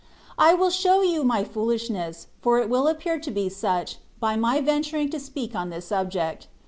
^^* I will show you my foolishness, for it will appear to be such, by my venturing to speak on this subject.